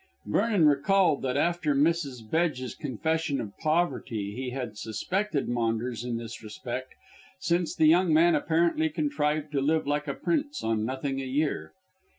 Vernon recalled that after Mrs. Bedge's confession of poverty he had suspected Maunders in this respect, since the young man apparently contrived to live like a prince on nothing a year.